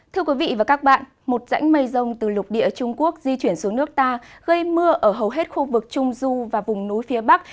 thưa quý vị và các bạn một rãnh mây rông từ lục địa trung quốc di chuyển xuống nước ta gây mưa ở hầu hết khu vực trung du và vùng núi phía bắc